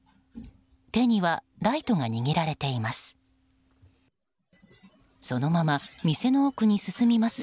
手にはライトが握られています。